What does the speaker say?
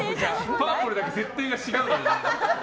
パープルだけ設定が違うよ。